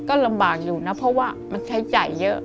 ก็ลำบากอยู่นะเพราะว่ามันใช้จ่ายเยอะ